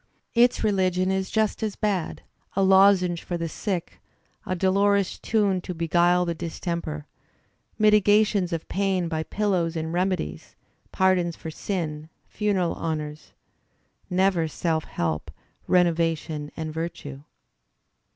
Its religion is just as bad; a lozenge for the sick ; a dolorous tune to beguile the distemper; mitigations of pain by pillows and remedies; pardons for sin, funeral honours — never self help, renovation and virtue.